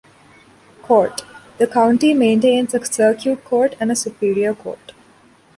Court: The county maintains a Circuit Court and a Superior Court.